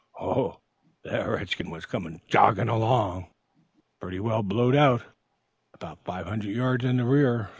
The red skin was coming jogging along, pretty well blowed out, about five hundred yards in the rear.